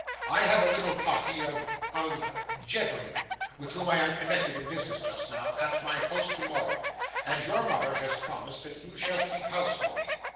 I have a little party of of gentlemen with whom I am connected in business just now, at my house tomorrow; and your mother has promised that you shall keep house for me.